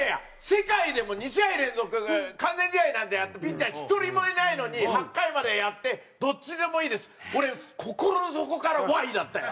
世界でも２試合連続完全試合なんてやったピッチャー１人もいないのに８回までやって「どっちでもいいです」。俺心の底からＷＨＹ？だったよ！